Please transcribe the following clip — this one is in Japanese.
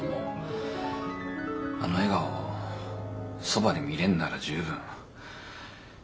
あの笑顔をそばで見れんなら十分。